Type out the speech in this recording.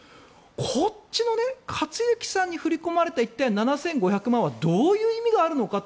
こっちの克行さんに振り込まれた７５００万円はどういう意味があるのかと。